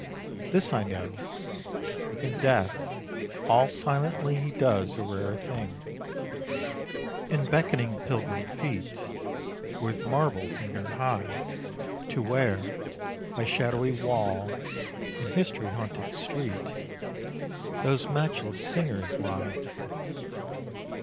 This I know: in death all silently He does a rarer thing, 16 In beckoning pilgrim feet With marble finger high To where, by shadowy wall and history haunted street, Those matchless singers lie....